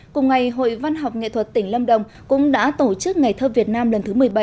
cùng ngày hội văn học nghệ thuật tỉnh lâm đồng cũng đã tổ chức ngày thơ việt nam lần thứ một mươi bảy